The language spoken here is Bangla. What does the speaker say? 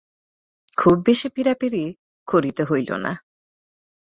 খুব বেশি পীড়াপীড়ি করিতে হইল না।